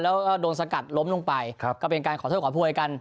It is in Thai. แล้วก็โดนสกัดล้มลงไปก็เป็นการขอโทษขอโพยกัน